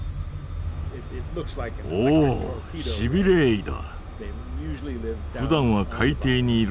おおシビレエイだ。